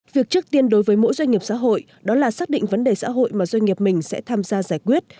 việc trước tiên đối với mỗi doanh nghiệp xã hội đó là xác định vấn đề xã hội mà doanh nghiệp mình sẽ tham gia giải quyết